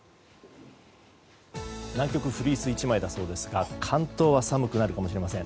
南極はフリース１枚だそうですが関東は寒くなるかもしれません。